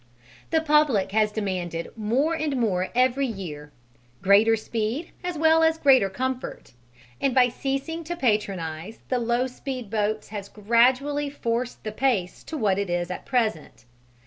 The public has demanded, more and more every year, greater speed as well as greater comfort, and by ceasing to patronize the low speed boats has gradually forced the pace to what it is at present.